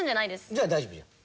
じゃあ大丈夫じゃん。